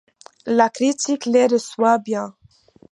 La critique les reçoit bien.